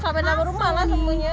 sampai dalam rumah lah semuanya